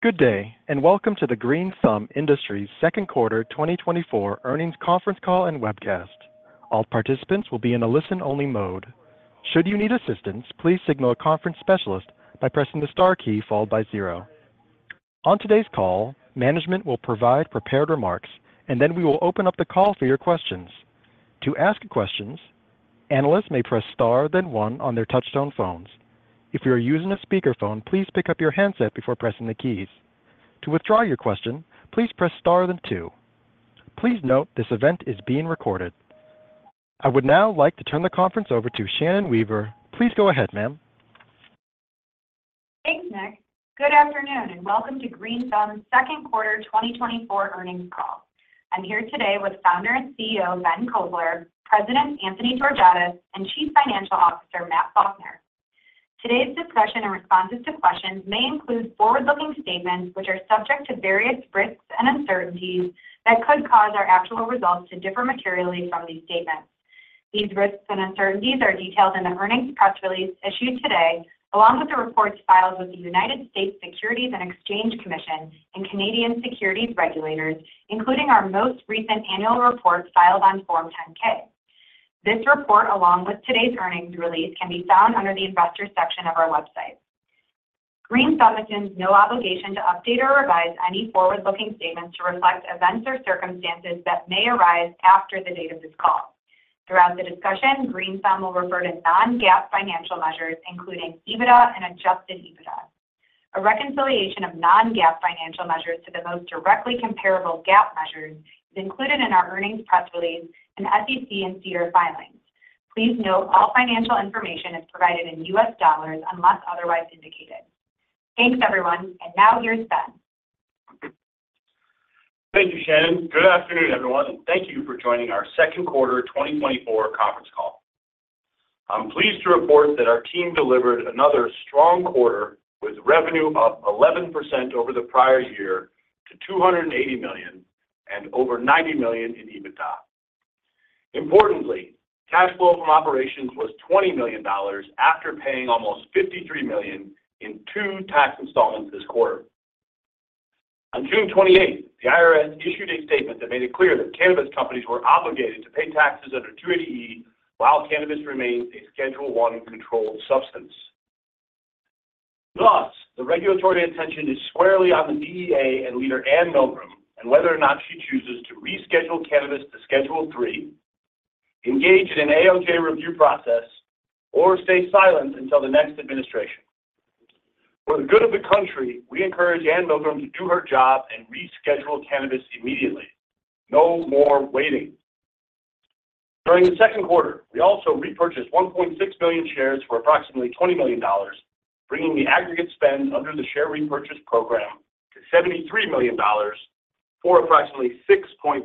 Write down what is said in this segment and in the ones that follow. Good day, and welcome to the Green Thumb Industries' second quarter 2024 earnings conference call and webcast. All participants will be in a listen-only mode. Should you need assistance, please signal a conference specialist by pressing the star key followed by zero. On today's call, management will provide prepared remarks, and then we will open up the call for your questions. To ask questions, analysts may press star, then one on their touchtone phones. If you are using a speakerphone, please pick up your handset before pressing the keys. To withdraw your question, please press star, then two. Please note, this event is being recorded. I would now like to turn the conference over to Shannon Weaver. Please go ahead, ma'am. Thanks, Nick. Good afternoon, and welcome to Green Thumb's Second Quarter 2024 Earnings Call. I'm here today with founder and CEO, Ben Kovler, President Anthony Georgiadis, and Chief Financial Officer, Matt Faulkner. Today's discussion and responses to questions may include forward-looking statements, which are subject to various risks and uncertainties that could cause our actual results to differ materially from these statements. These risks and uncertainties are detailed in the earnings press release issued today, along with the reports filed with the United States Securities and Exchange Commission and Canadian Securities Administrators, including our most recent annual report filed on Form 10-K. This report, along with today's earnings release, can be found under the Investors section of our website. Green Thumb assumes no obligation to update or revise any forward-looking statements to reflect events or circumstances that may arise after the date of this call. Throughout the discussion, Green Thumb will refer to non-GAAP financial measures, including EBITDA and adjusted EBITDA. A reconciliation of non-GAAP financial measures to the most directly comparable GAAP measures is included in our earnings press release and SEC and CSA filings. Please note, all financial information is provided in US dollars, unless otherwise indicated. Thanks, everyone, and now here's Ben. Thank you, Shannon. Good afternoon, everyone, and thank you for joining our second quarter 2024 conference call. I'm pleased to report that our team delivered another strong quarter with revenue up 11% over the prior year to $280 million and over $90 million in EBITDA. Importantly, cash flow from operations was $20 million after paying almost $53 million in two tax installments this quarter. On June 28th, the IRS issued a statement that made it clear that cannabis companies were obligated to pay taxes under 280E while cannabis remains a Schedule I controlled substance. Thus, the regulatory attention is squarely on the DEA and leader Anne Milgram, and whether or not she chooses to reschedule cannabis to Schedule III, engage in an ALJ review process, or stay silent until the next administration. For the good of the country, we encourage Anne Milgram to do her job and reschedule cannabis immediately. No more waiting. During the second quarter, we also repurchased 1.6 million shares for approximately $20 million, bringing the aggregate spend under the share repurchase program to $73 million for approximately 6.6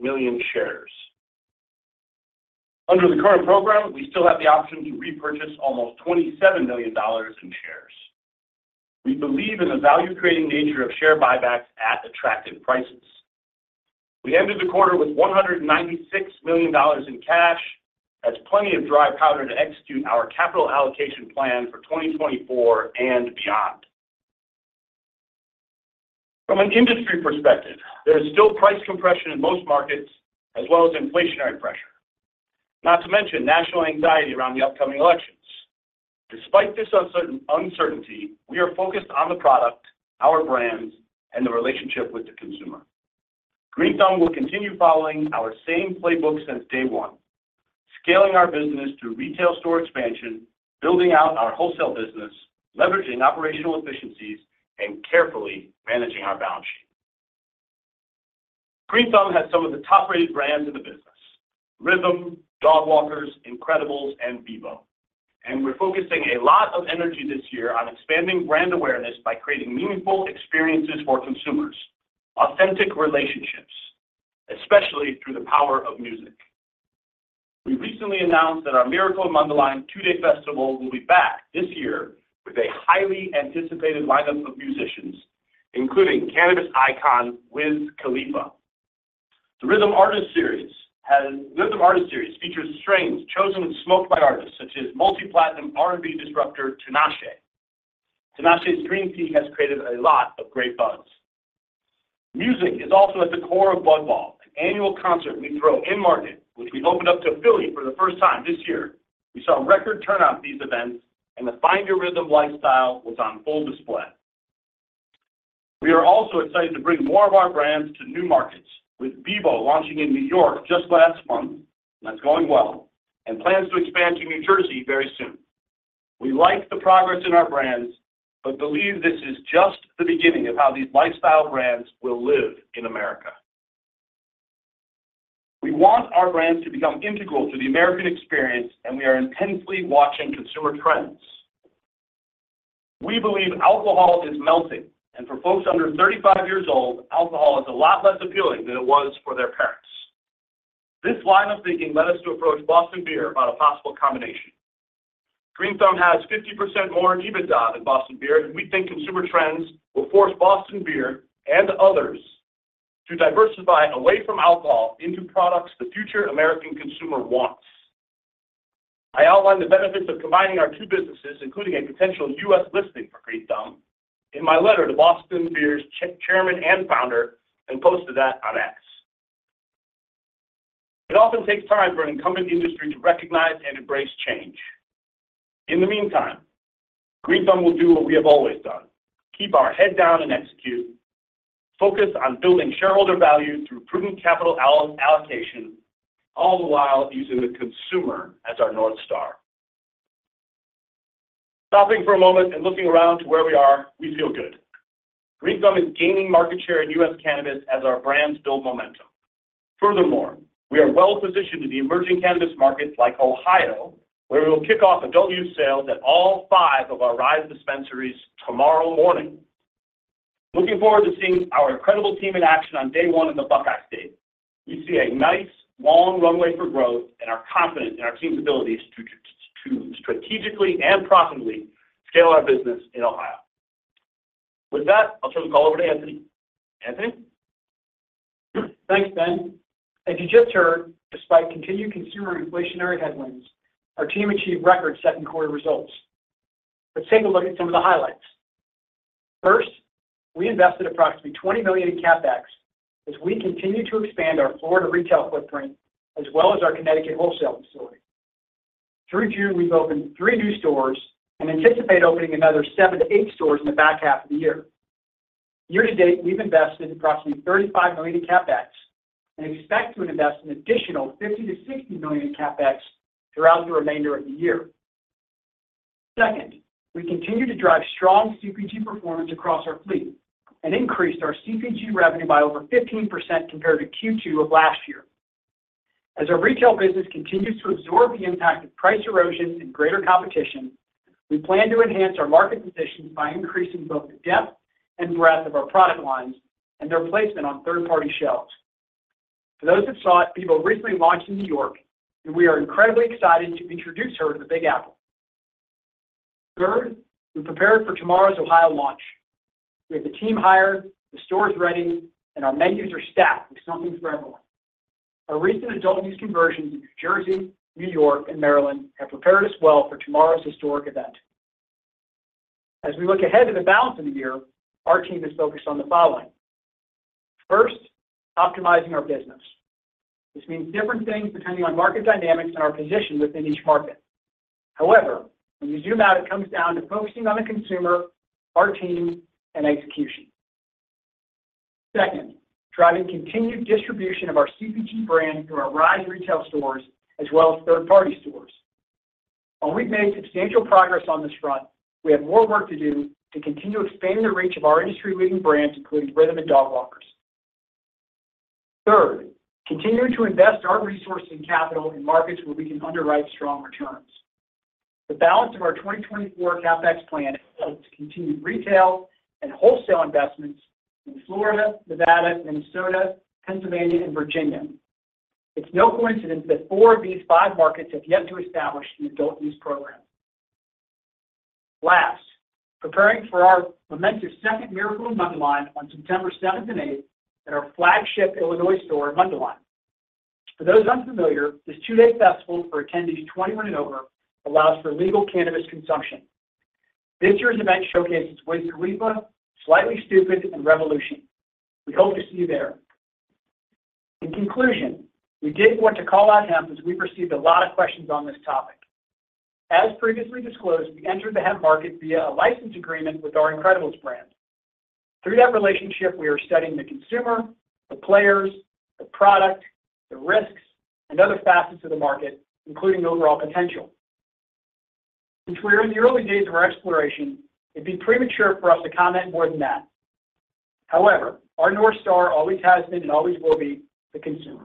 million shares. Under the current program, we still have the option to repurchase almost $27 million in shares. We believe in the value-creating nature of share buybacks at attractive prices. We ended the quarter with $196 million in cash. That's plenty of dry powder to execute our capital allocation plan for 2024 and beyond. From an industry perspective, there is still price compression in most markets, as well as inflationary pressure, not to mention national anxiety around the upcoming elections. Despite this uncertainty, we are focused on the product, our brands, and the relationship with the consumer. Green Thumb will continue following our same playbook since day one: scaling our business through retail store expansion, building out our wholesale business, leveraging operational efficiencies, and carefully managing our balance sheet. Green Thumb has some of the top-rated brands in the business, RYTHM, Dogwalkers, Incredibles, and Beboe, and we're focusing a lot of energy this year on expanding brand awareness by creating meaningful experiences for consumers, authentic relationships, especially through the power of music. We recently announced that our Miracle in Mundelein two-day festival will be back this year with a highly anticipated lineup of musicians, including cannabis icon, Wiz Khalifa. The RYTHM Artist Series features strains chosen and smoked by artists such as multi-platinum R&B disruptor, Tinashe. Tinashe's Green T has created a lot of great buzz. Music is also at the core of Bud Ball, an annual concert we throw in-market, which we've opened up to Philly for the first time this year. We saw a record turnout at these events, and the Find Your RYTHM lifestyle was on full display. We are also excited to bring more of our brands to new markets, with Beboe launching in New York just last month. That's going well, and plans to expand to New Jersey very soon. We like the progress in our brands, but believe this is just the beginning of how these lifestyle brands will live in America. We want our brands to become integral to the American experience, and we are intensely watching consumer trends. We believe alcohol is melting, and for folks under 35 years old, alcohol is a lot less appealing than it was for their parents. This line of thinking led us to approach Boston Beer about a possible combination. Green Thumb has 50% more in EBITDA than Boston Beer, and we think consumer trends will force Boston Beer and others to diversify away from alcohol into products the future American consumer wants. I outlined the benefits of combining our two businesses, including a potential U.S. listing for Green Thumb, in my letter to Boston Beer's chairman and founder, and posted that on X. It often takes time for an incumbent industry to recognize and embrace change. In the meantime, Green Thumb will do what we have always done: keep our head down and execute, focus on building shareholder value through prudent capital allocation, all the while using the consumer as our North Star. Stopping for a moment and looking around to where we are, we feel good. Green Thumb is gaining market share in U.S. cannabis as our brands build momentum. Furthermore, we are well-positioned in the emerging cannabis markets like Ohio, where we will kick off adult-use sales at all five of our RISE Dispensaries tomorrow morning. Looking forward to seeing our incredible team in action on day one in the Buckeye State. We see a nice, long runway for growth and are confident in our team's abilities to strategically and profitably scale our business in Ohio. With that, I'll turn the call over to Anthony. Anthony? Thanks, Ben. As you just heard, despite continued consumer inflationary headwinds, our team achieved record-setting quarter results. Let's take a look at some of the highlights. First, we invested approximately $20 million in CapEx as we continue to expand our Florida retail footprint, as well as our Connecticut wholesale facility. Through June, we've opened three new stores and anticipate opening another seven to eight stores in the back half of the year. Year-to-date, we've invested approximately $35 million in CapEx, and expect to invest an additional $50 million-$60 million in CapEx throughout the remainder of the year. Second, we continue to drive strong CPG performance across our fleet and increased our CPG revenue by over 15% compared to Q2 of last year. As our retail business continues to absorb the impact of price erosion and greater competition, we plan to enhance our market position by increasing both the depth and breadth of our product lines and their placement on third-party shelves. For those that saw it, Beboe recently launched in New York, and we are incredibly excited to introduce her to the Big Apple. Third, we prepared for tomorrow's Ohio launch. We have the team hired, the store is ready, and our menus are stacked with something for everyone. Our recent adult-use conversions in New Jersey, New York, and Maryland have prepared us well for tomorrow's historic event. As we look ahead to the balance of the year, our team is focused on the following: First, optimizing our business. This means different things depending on market dynamics and our position within each market. However, when you zoom out, it comes down to focusing on the consumer, our team, and execution. Second, driving continued distribution of our CPG brand through our RISE retail stores as well as third-party stores. While we've made substantial progress on this front, we have more work to do to continue expanding the reach of our industry-leading brands, including RYTHM and Dogwalkers. Third, continuing to invest our resources and capital in markets where we can underwrite strong returns. The balance of our 2024 CapEx plan is to continue retail and wholesale investments in Florida, Nevada, Minnesota, Pennsylvania, and Virginia. It's no coincidence that four of these five markets have yet to establish an adult-use program. Last, preparing for our momentous second Miracle in Mundelein on September 7th and 8th at our flagship Illinois store in Mundelein. For those unfamiliar, this two-day festival for attendees 21 and over allows for legal cannabis consumption. This year's event showcases Raekwon, Slightly Stoopid, and Rebelution. We hope to see you there. In conclusion, we did want to call out hemp as we've received a lot of questions on this topic. As previously disclosed, we entered the hemp market via a license agreement with our Incredibles brand. Through that relationship, we are studying the consumer, the players, the product, the risks, and other facets of the market, including the overall potential. Since we are in the early days of our exploration, it'd be premature for us to comment more than that. However, our North Star always has been and always will be the consumer.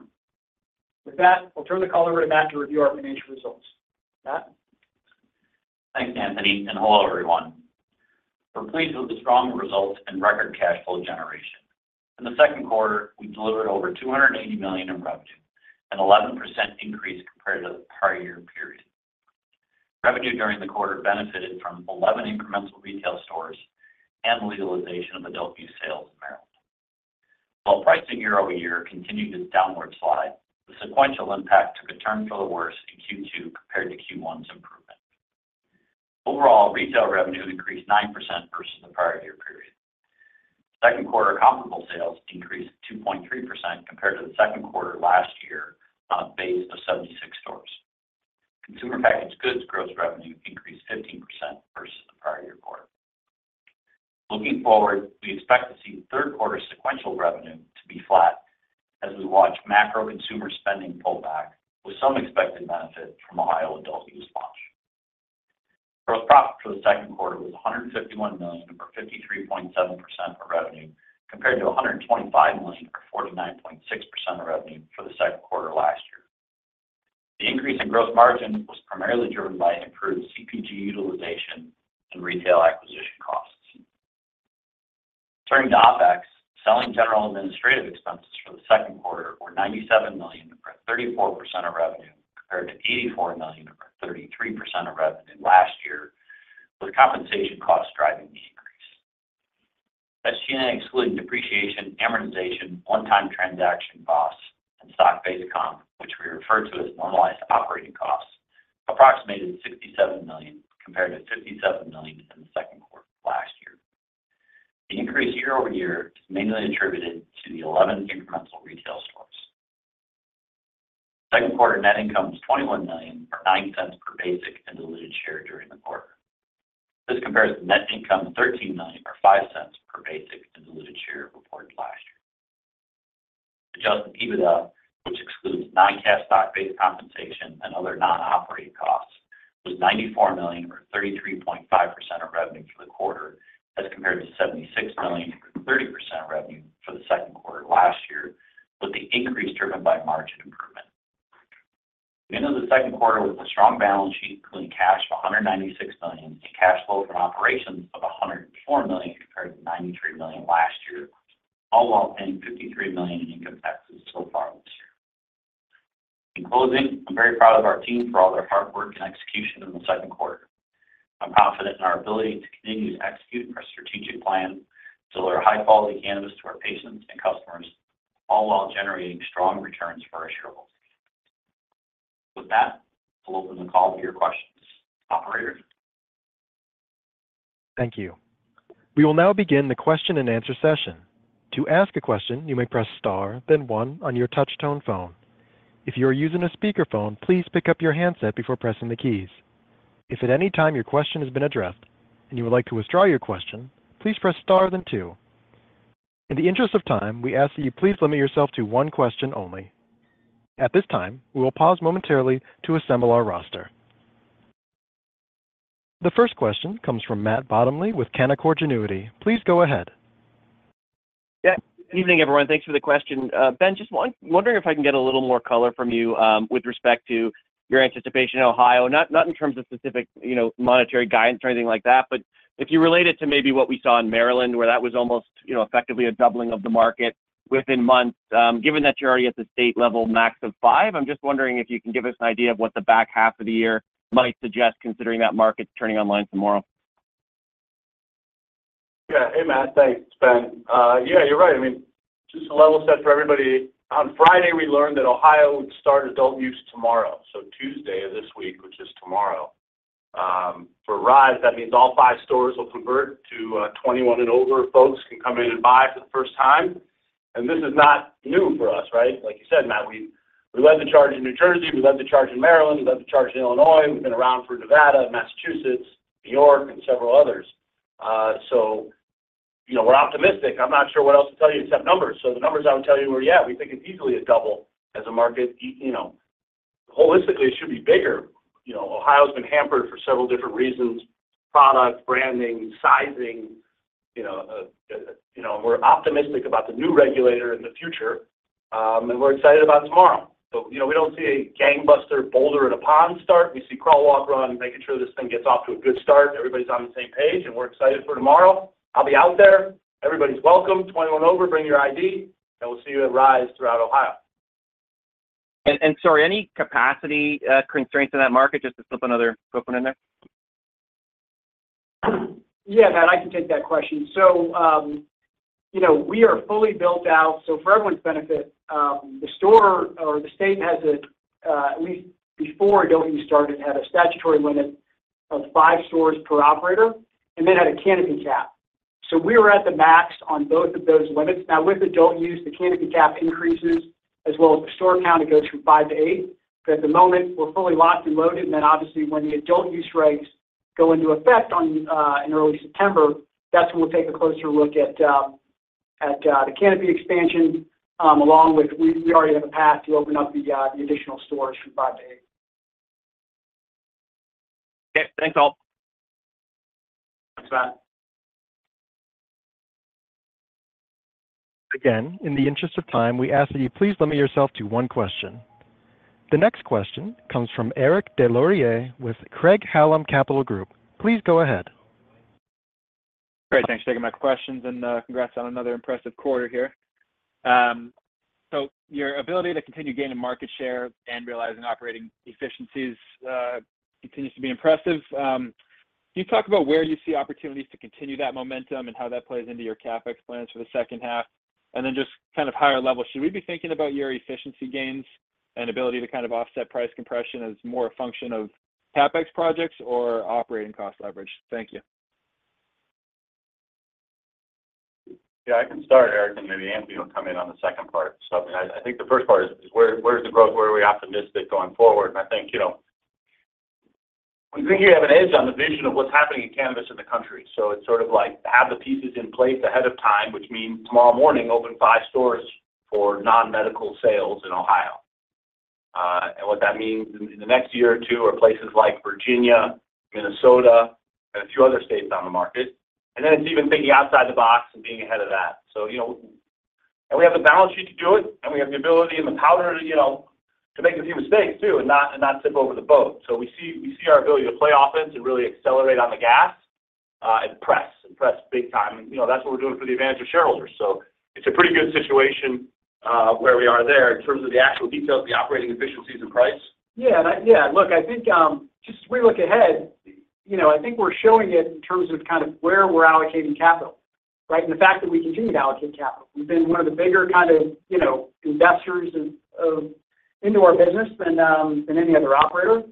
With that, I'll turn the call over to Matt to review our financial results. Matt? Thanks, Anthony, and hello, everyone. We're pleased with the strong results and record cash flow generation. In the second quarter, we delivered over $280 million in revenue, an 11% increase compared to the prior year period. Revenue during the quarter benefited from 11 incremental retail stores and the legalization of adult-use sales in Maryland. While pricing year-over-year continued its downward slide, the sequential impact took a turn for the worse in Q2 compared to Q1's improvement. Overall, retail revenue increased 9% versus the prior year period. Second quarter comparable sales increased 2.3% compared to the second quarter last year on a base of 76 stores. Consumer packaged goods gross revenue increased 15% versus the prior year quarter. Looking forward, we expect to see third quarter sequential revenue to be flat as we watch macro consumer spending pull back with some expected benefit from Ohio adult-use launch. Gross profit for the second quarter was $151 million, or 53.7% of revenue, compared to $125 million, or 49.6% of revenue, for the second quarter last year. The increase in gross margin was primarily driven by improved CPG utilization and retail acquisition costs. Turning to OpEx, selling general administrative expenses for the second quarter were $97 million, or 34% of revenue, compared to $84 million, or 33% of revenue last year, with compensation costs driving the-... G&A excluding depreciation, amortization, one-time transaction costs, and stock-based income, which we refer to as normalized operating costs, approximated $67 million, compared to $57 million in the second quarter of last year. The increase year-over-year is mainly attributed to the 11 incremental retail stores. Second quarter net income was $21 million, or $0.09 per basic and diluted share during the quarter. This compares to net income of $13 million or $0.05 per basic and diluted share reported last year. Adjusted EBITDA, which excludes non-cash stock-based compensation and other non-operating costs, was $94 million or 33.5% of revenue for the quarter, as compared to $76 million, or 30% of revenue for the second quarter last year, with the increase driven by margin improvement. We ended the second quarter with a strong balance sheet, including cash of $196 million, and cash flow from operations of $104 million, compared to $93 million last year, all while paying $53 million in income taxes so far this year. In closing, I'm very proud of our team for all their hard work and execution in the second quarter. I'm confident in our ability to continue to execute our strategic plan, deliver high-quality cannabis to our patients and customers, all while generating strong returns for our shareholders. With that, we'll open the call to your questions. Operator? Thank you. We will now begin the question-and-answer session. To ask a question, you may press star, then one on your touch tone phone. If you are using a speakerphone, please pick up your handset before pressing the keys. If at any time your question has been addressed and you would like to withdraw your question, please press star, then two. In the interest of time, we ask that you please limit yourself to one question only. At this time, we will pause momentarily to assemble our roster. The first question comes from Matt Bottomley with Canaccord Genuity. Please go ahead. Yeah. Good evening, everyone. Thanks for the question. Ben, just wondering if I can get a little more color from you, with respect to your anticipation in Ohio, not in terms of specific, you know, monetary guidance or anything like that, but if you relate it to maybe what we saw in Maryland, where that was almost, you know, effectively a doubling of the market within months. Given that you're already at the state level max of five, I'm just wondering if you can give us an idea of what the back half of the year might suggest, considering that market's turning online tomorrow. Yeah. Hey, Matt. Thanks. Ben, yeah, you're right. I mean, just to level set for everybody, on Friday, we learned that Ohio would start adult-use tomorrow, so Tuesday of this week, which is tomorrow. For RISE, that means all five stores will convert to 21 and older, folks can come in and buy for the first time, and this is not new for us, right? Like you said, Matt, we, we led the charge in New Jersey, we led the charge in Maryland, we led the charge in Illinois. We've been around for Nevada, Massachusetts, New York, and several others. So, you know, we're optimistic. I'm not sure what else to tell you except numbers. So the numbers I would tell you are, yeah, we think it's easily a double as a market. You know, holistically, it should be bigger. You know, Ohio has been hampered for several different reasons: product, branding, sizing. You know, we're optimistic about the new regulator in the future, and we're excited about tomorrow. So, you know, we don't see a gangbuster boulder in a pond start. We see crawl, walk, run, making sure this thing gets off to a good start, and everybody's on the same page, and we're excited for tomorrow. I'll be out there. Everybody's welcome, 21 and over, bring your ID, and we'll see you at RISE throughout Ohio. Sorry, any capacity constraints in that market? Just to slip another quick one in there. Yeah, Matt, I can take that question. So, you know, we are fully built out. So for everyone's benefit, the store or the state has a, at least before adult-use started, had a statutory limit of five stores per operator and then had a canopy cap. So we were at the max on both of those limits. Now, with adult-use, the canopy cap increases, as well as the store count, it goes from five to eight. But at the moment, we're fully locked and loaded, and then obviously, when the adult-use rates go into effect in early September, that's when we'll take a closer look at the canopy expansion, along with, we already have a path to open up the additional stores from five to eight. Okay. Thanks, all. Thanks, Matt. Again, in the interest of time, we ask that you please limit yourself to one question. The next question comes from Eric Deslauriers with Craig-Hallum Capital Group. Please go ahead. Great. Thanks for taking my questions, and, congrats on another impressive quarter here. So your ability to continue gaining market share and realizing operating efficiencies, continues to be impressive. Can you talk about where you see opportunities to continue that momentum and how that plays into your CapEx plans for the second half? And then just kind of higher level, should we be thinking about your efficiency gains and ability to kind of offset price compression as more a function of CapEx projects or operating cost leverage? Thank you. Yeah, I can start, Eric, and maybe Anthony will come in on the second part. So I, I think the first part is where, where's the growth, where are we optimistic going forward? And I think, you know, we think you have an edge on the vision of what's happening in cannabis in the country. So it's sort of like have the pieces in place ahead of time, which means tomorrow morning, open five stores for non-medical sales in Ohio. And what that means in, in the next year or two, are places like Virginia, Minnesota, and a few other states on the market, and then it's even thinking outside the box and being ahead of that. So, you know, and we have the balance sheet to do it, and we have the ability and the powder, you know, to make a few mistakes too, and not tip over the boat. So we see our ability to play offense and really accelerate on the gas, and press big time. You know, that's what we're doing for the advantage of shareholders. So it's a pretty good situation where we are there. In terms of the actual details of the operating efficiencies and price? Yeah, look, I think, just as we look ahead. You know, I think we're showing it in terms of kind of where we're allocating capital, right? And the fact that we continue to allocate capital. We've been one of the bigger kind of, you know, investors of into our business than any other operator.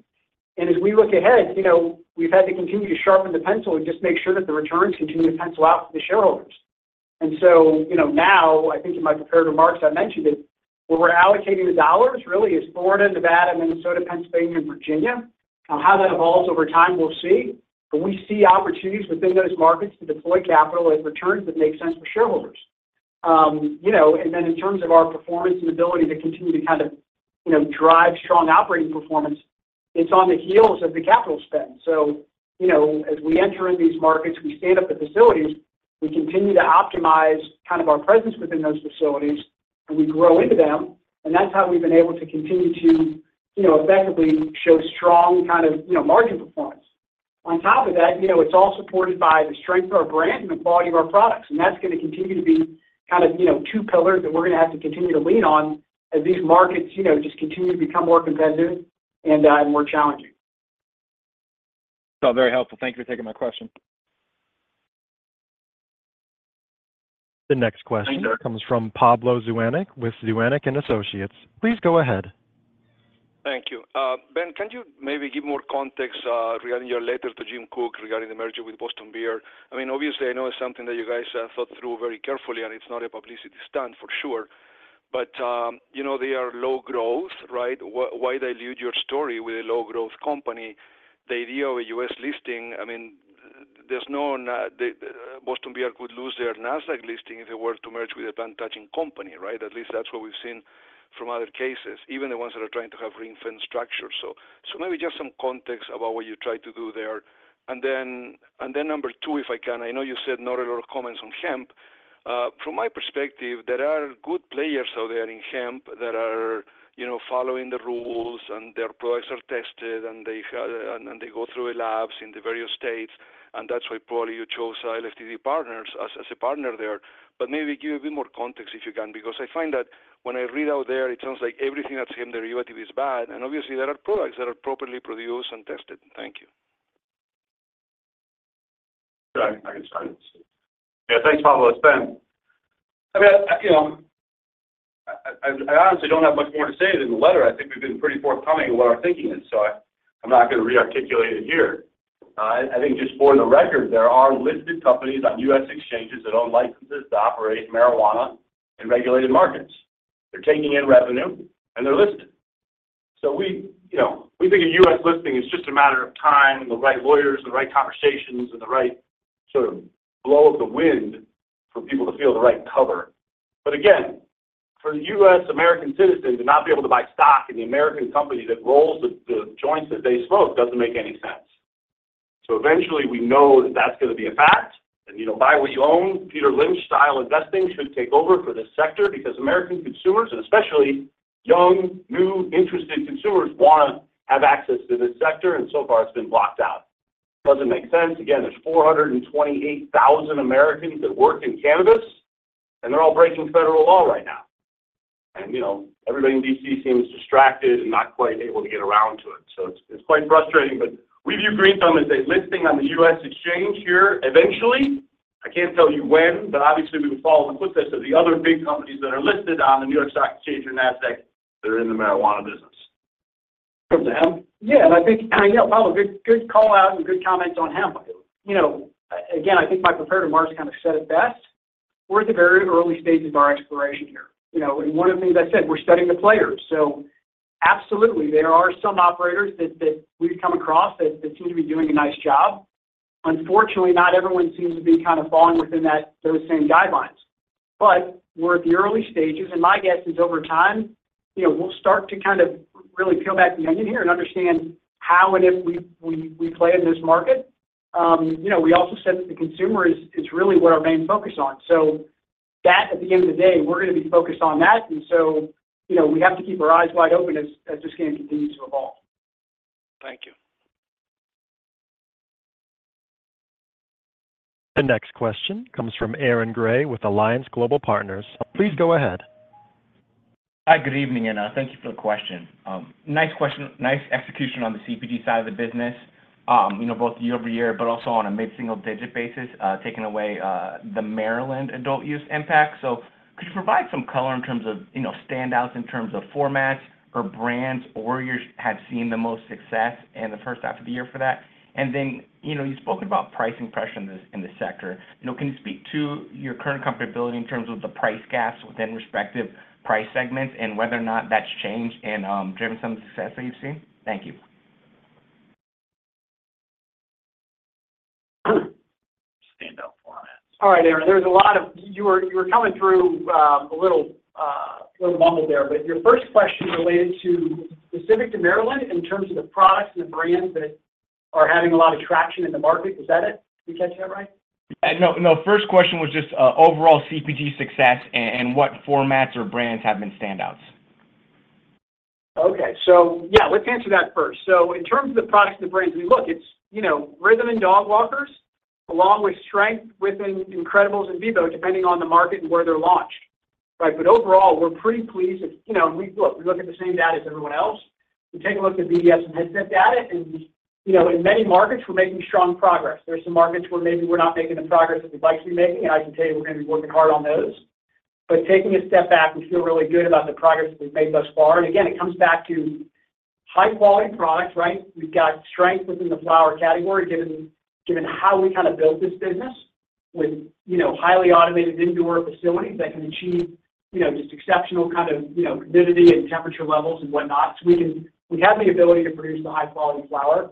And as we look ahead, you know, we've had to continue to sharpen the pencil and just make sure that the returns continue to pencil out for the shareholders. And so, you know, now, I think in my prepared remarks, I mentioned that where we're allocating the dollars really is Florida, Nevada, Minnesota, Pennsylvania, and Virginia. Now, how that evolves over time, we'll see. But we see opportunities within those markets to deploy capital as returns that make sense for shareholders. You know, and then in terms of our performance and ability to continue to kind of, you know, drive strong operating performance, it's on the heels of the capital spend. So, you know, as we enter in these markets, we stand up the facilities, we continue to optimize kind of our presence within those facilities, and we grow into them, and that's how we've been able to continue to, you know, effectively show strong kind of, you know, margin performance. On top of that, you know, it's all supported by the strength of our brand and the quality of our products, and that's gonna continue to be kind of, you know, two pillars that we're gonna have to continue to lean on as these markets, you know, just continue to become more competitive and more challenging. It's all very helpful. Thank you for taking my question. The next question comes from Pablo Zuanic with Zuanic & Associates. Please go ahead. Thank you. Ben, can you maybe give more context regarding your letter to Jim Koch regarding the merger with Boston Beer Company? I mean, obviously, I know it's something that you guys have thought through very carefully, and it's not a publicity stunt, for sure. But, you know, they are low growth, right? Why dilute your story with a low-growth company? The idea of a U.S. listing, I mean, there's no, the, Boston Beer Company could lose their Nasdaq listing if they were to merge with a plant-touching company, right? At least that's what we've seen from other cases, even the ones that are trying to have ring-fence structure. So maybe just some context about what you tried to do there. And then number two, if I can, I know you said not a lot of comments on hemp. From my perspective, there are good players out there in hemp that are, you know, following the rules, and their products are tested, and they have, and they go through labs in the various states, and that's why probably you chose LFTD Partners as, as a partner there. But maybe give a bit more context, if you can, because I find that when I read out there, it sounds like everything that's hemp-derived is bad, and obviously, there are products that are properly produced and tested. Thank you. Sure, I can start. Yeah, thanks, Pablo. It's Ben. I mean, you know, I honestly don't have much more to say than the letter. I think we've been pretty forthcoming in what our thinking is, so I'm not gonna re-articulate it here. I think just for the record, there are listed companies on U.S. exchanges that own licenses to operate marijuana in regulated markets. They're taking in revenue, and they're listed. So we, you know, we think a U.S. listing is just a matter of time, the right lawyers, the right conversations, and the right sort of blow of the wind for people to feel the right cover. But again, for U.S. American citizens to not be able to buy stock in the American company that rolls the, the joints that they smoke doesn't make any sense. So eventually, we know that that's gonna be a fact. And, you know, buy what you own. Peter Lynch-style investing should take over for this sector because American consumers, especially young, new, interested consumers, wanna have access to this sector, and so far, it's been blocked out. Doesn't make sense. Again, there's 428,000 Americans that work in cannabis, and they're all breaking federal law right now. And, you know, everybody in D.C. seems distracted and not quite able to get around to it, so it's, it's quite frustrating. But we view Green Thumb as a listing on the U.S. exchange here eventually. I can't tell you when, but obviously, we would follow in the footsteps of the other big companies that are listed on the New York Stock Exchange or Nasdaq that are in the marijuana business. From the hemp? Yeah, and I think, I mean, yeah, Pablo, good, good call out and good comments on hemp. You know, again, I think my prepared remarks kind of said it best. We're at the very early stages of our exploration here. You know, and one of the things I said, we're studying the players. So absolutely, there are some operators that we've come across that seem to be doing a nice job. Unfortunately, not everyone seems to be kind of falling within that, those same guidelines. But we're at the early stages, and my guess is, over time, you know, we'll start to kind of really peel back the onion here and understand how and if we play in this market. You know, we also said that the consumer is really what our main focus on. So that, at the end of the day, we're gonna be focused on that, and so, you know, we have to keep our eyes wide open as this game continues to evolve. Thank you. The next question comes from Aaron Gray with Alliance Global Partners. Please go ahead. Hi, good evening, and thank you for the question. Nice question. Nice execution on the CPG side of the business, you know, both year-over-year, but also on a mid-single-digit basis, taking away the Maryland adult-use impact. So could you provide some color in terms of, you know, standouts in terms of formats or brands or where you have seen the most success in the first half of the year for that? And then, you know, you spoke about pricing pressure in this, in this sector. You know, can you speak to your current comfortability in terms of the price gaps within respective price segments and whether or not that's changed and driven some success that you've seen? Thank you. Standout formats. All right, Aaron, there's a lot of... You were, you were coming through, a little, little muddled there, but your first question related to specific to Maryland in terms of the products and the brands that are having a lot of traction in the market. Is that it? Did I catch that right? No, no. First question was just, overall CPG success and, and what formats or brands have been standouts? Okay. So yeah, let's answer that first. So in terms of the products and the brands, we look, it's, you know, RYTHM and Dogwalkers, along with strength within Incredibles and Beboe, depending on the market and where they're launched. Right, but overall, we're pretty pleased with, you know, and we look, we look at the same data as everyone else. We take a look at BDS and Headset data, and, you know, in many markets, we're making strong progress. There are some markets where maybe we're not making the progress that we'd like to be making, and I can tell you we're gonna be working hard on those. But taking a step back, we feel really good about the progress that we've made thus far. And again, it comes back to high-quality products, right? We've got strength within the flower category, given how we kind of built this business with, you know, highly automated indoor facilities that can achieve, you know, just exceptional kind of, you know, humidity and temperature levels and whatnot. So we have the ability to produce the high-quality flower.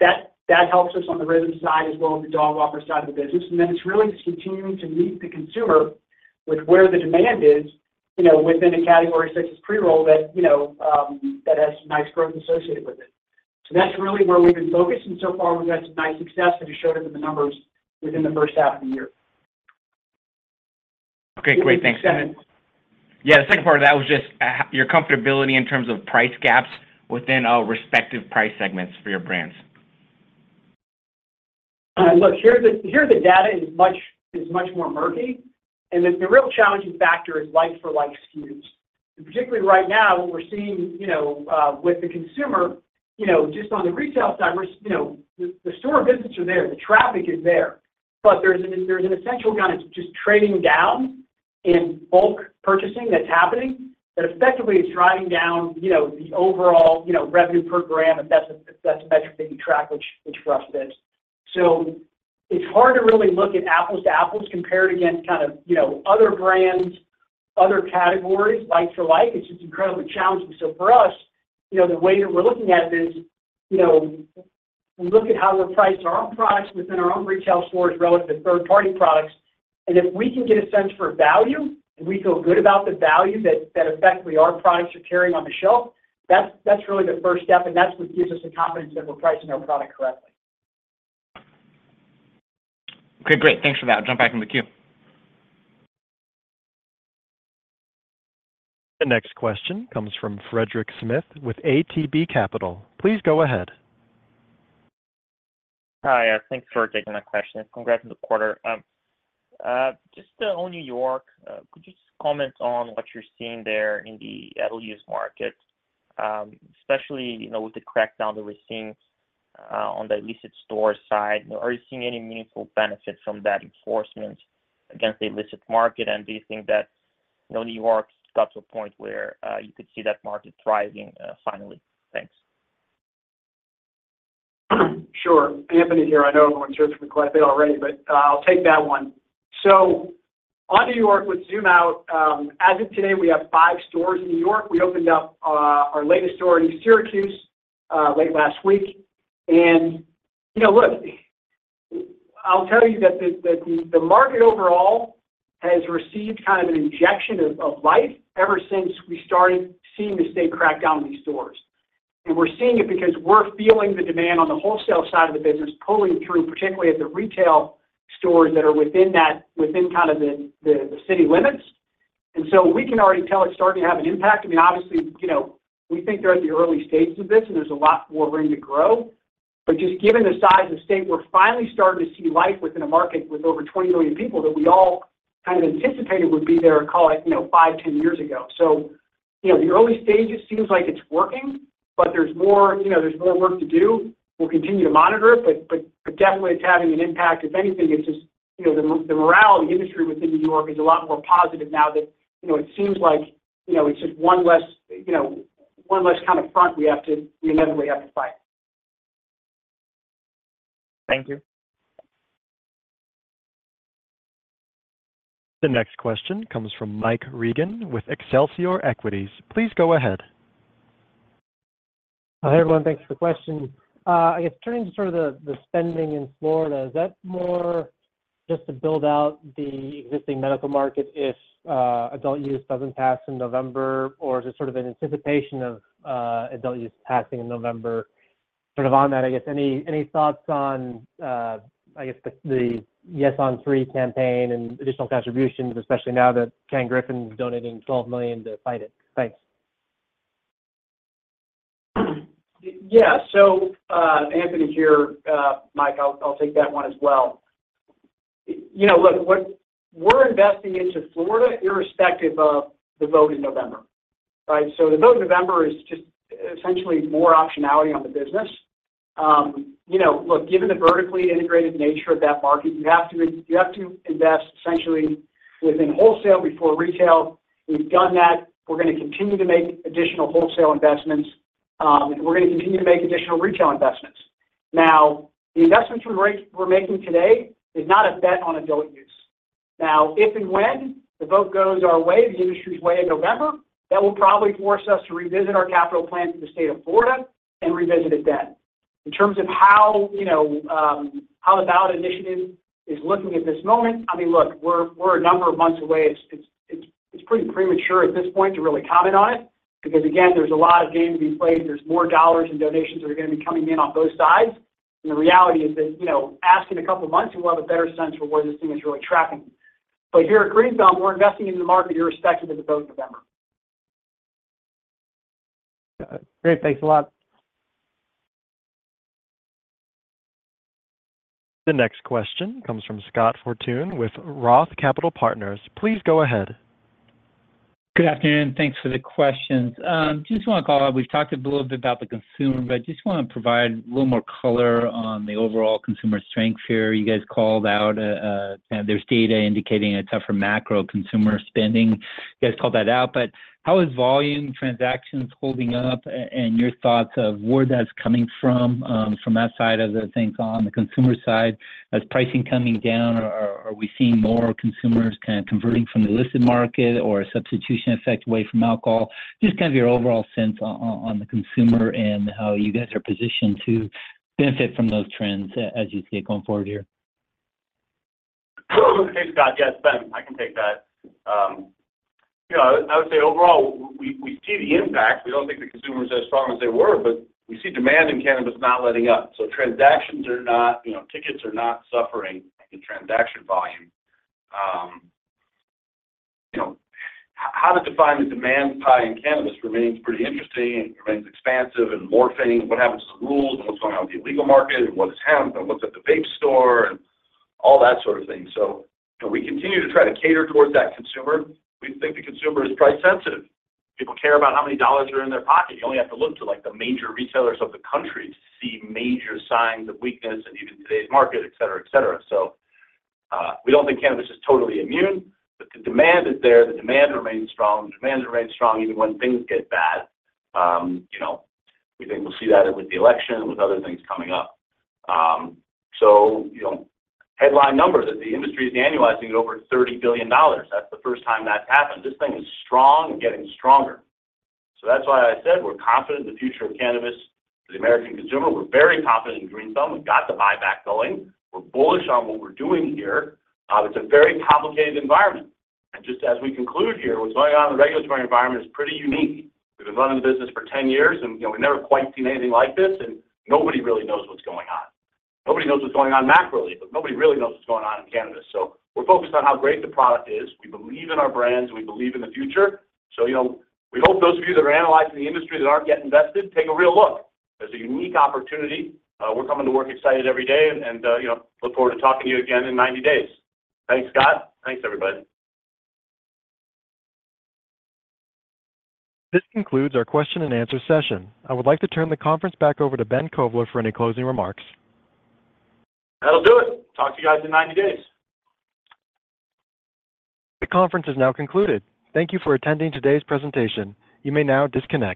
That helps us on the RYTHM side as well as the Dogwalkers side of the business. And then it's really just continuing to meet the consumer with where the demand is, you know, within a category such as pre-roll that, you know, that has some nice growth associated with it. So that's really where we've been focused, and so far, we've had some nice success that is showed up in the numbers within the first half of the year. Okay, great. Thanks. Yeah, the second part of that was just, your comfortability in terms of price gaps within, respective price segments for your brands. Look, here, the data is much more murky, and the real challenging factor is like-for-like SKUs. And particularly right now, what we're seeing, you know, with the consumer, you know, just on the retail side, we're, you know, the store visits are there, the traffic is there, but there's an essential kind of just trading down in bulk purchasing that's happening, that effectively is driving down, you know, the overall, you know, revenue per gram, if that's the metric that you track, which for us it is. So it's hard to really look at apples to apples, compare it against kind of, you know, other brands, other categories, like for like. It's just incredibly challenging. So for us, you know, the way that we're looking at it is, you know, we look at how we're pricing our own products within our own retail stores relative to third-party products, and if we can get a sense for value, and we feel good about the value that, that effectively our products are carrying on the shelf, that's, that's really the first step, and that's what gives us the confidence that we're pricing our product correctly. Okay, great. Thanks for that. I'll jump back in the queue. The next question comes from Frederico Gomes with ATB Capital. Please go ahead. Hi, thanks for taking my question. Congrats on the quarter. Just on New York, could you just comment on what you're seeing there in the adult use market, especially, you know, with the crackdown that we're seeing, on the illicit store side. Are you seeing any meaningful benefits from that enforcement against the illicit market? And do you think that, you know, New York got to a point where, you could see that market thriving, finally? Thanks. Sure. Anthony here. I know everyone's heard from quite a bit already, but I'll take that one. So on New York, with zoom out, as of today, we have five stores in New York. We opened up our latest store in Syracuse late last week. And, you know, look, I'll tell you that the market overall has received kind of an injection of life ever since we started seeing the state crack down on these stores. And we're seeing it because we're feeling the demand on the wholesale side of the business pulling through, particularly at the retail stores that are within that, within kind of the city limits. And so we can already tell it's starting to have an impact. I mean, obviously, you know, we think they're at the early stages of this, and there's a lot more room to grow. But just given the size of state, we're finally starting to see life within a market with over 20 million people that we all kind of anticipated would be there, call it, you know, 5, 10 years ago. So, you know, the early stages seems like it's working, but there's more, you know, there's more work to do. We'll continue to monitor it, but, but, but definitely, it's having an impact. If anything, it's just, you know, the, the morale of the industry within New York is a lot more positive now that, you know, it seems like, you know, it's just one less, you know, one less kind of front we have to, we inevitably have to fight. Thank you. The next question comes from Mike Regan with Excelsior Equities. Please go ahead. Hi, everyone. Thanks for the question. I guess turning to sort of the, the spending in Florida, is that more just to build out the existing medical market if adult-use doesn't pass in November, or is it sort of an anticipation of adult-use passing in November? Sort of on that, I guess, any, any thoughts on, I guess the Yes on 3 campaign and additional contributions, especially now that Ken Griffin is donating $12 million to fight it? Thanks. Yeah. So, Anthony here. Mike, I'll, I'll take that one as well. You know, look, what we're investing into Florida irrespective of the vote in November, right? So the vote in November is just essentially more optionality on the business. You know, look, given the vertically integrated nature of that market, you have to invest essentially within wholesale before retail. We've done that. We're gonna continue to make additional wholesale investments, and we're gonna continue to make additional retail investments. Now, the investments we're making today is not a bet on adult-use. Now, if and when the vote goes our way, the industry's way in November, that will probably force us to revisit our capital plans in the state of Florida and revisit it then. In terms of how, you know, how the ballot initiative is looking at this moment, I mean, look, we're a number of months away. It's pretty premature at this point to really comment on it because, again, there's a lot of games being played. There's more dollars and donations that are gonna be coming in on both sides. And the reality is that, you know, ask in a couple of months, and we'll have a better sense for where this thing is really tracking. But here at Green Thumb, we're investing in the market irrespective of the vote in November. Got it. Great. Thanks a lot. The next question comes from Scott Fortune with Roth Capital Partners. Please go ahead. Good afternoon. Thanks for the questions. Just want to call out, we've talked a little bit about the consumer, but just want to provide a little more color on the overall consumer strength here. You guys called out, there's data indicating a tougher macro consumer spending. You guys called that out, but how is volume transactions holding up, and your thoughts of where that's coming from, from that side of the things on the consumer side? As pricing coming down, are we seeing more consumers kind of converting from the listed market or a substitution effect away from alcohol? Just kind of your overall sense on the consumer and how you guys are positioned to benefit from those trends as you see it going forward here. Hey, Scott. Yes, Ben, I can take that. You know, I would say overall, we see the impact. We don't think the consumer is as strong as they were, but we see demand in cannabis not letting up. So transactions are not, you know, tickets are not suffering in transaction volume. You know, how to define the demand pie in cannabis remains pretty interesting and remains expansive and morphing. What happens to the rules, and what's going on with the illegal market, and what's happened, and what's at the vape store, and all that sort of thing. So we continue to try to cater towards that consumer. We think the consumer is price sensitive. People care about how many dollars are in their pocket. You only have to look to, like, the major retailers of the country to see major signs of weakness and even today's market, et cetera, et cetera. So, we don't think cannabis is totally immune, but the demand is there. The demand remains strong. The demand remains strong even when things get bad. You know, we think we'll see that with the election, with other things coming up. So, you know, headline numbers, that the industry is annualizing at over $30 billion. That's the first time that's happened. This thing is strong and getting stronger. So that's why I said we're confident in the future of cannabis for the American consumer. We're very confident in Green Thumb. We've got the buyback going. We're bullish on what we're doing here. It's a very complicated environment, and just as we conclude here, what's going on in the regulatory environment is pretty unique. We've been running the business for 10 years, and, you know, we've never quite seen anything like this, and nobody really knows what's going on. Nobody knows what's going on macroly, but nobody really knows what's going on in cannabis. So we're focused on how great the product is. We believe in our brands, we believe in the future. So, you know, we hope those of you that are analyzing the industry that aren't yet invested, take a real look. There's a unique opportunity. We're coming to work excited every day and, and, you know, look forward to talking to you again in 90 days. Thanks, Scott. Thanks, everybody. This concludes our question and answer session. I would like to turn the conference back over to Ben Kovler for any closing remarks. That'll do it. Talk to you guys in 90 days. The conference is now concluded. Thank you for attending today's presentation. You may now disconnect.